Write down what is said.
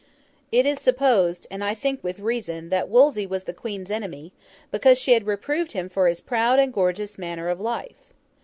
It is supposed—and I think with reason—that Wolsey was the Queen's enemy, because she had reproved him for his proud and gorgeous manner of life.